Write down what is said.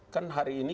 kan hari ini